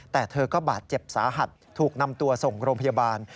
แต่เธอก็บาดเจ็บสาหัสถูกนำตัวส่งโรงพยาบาล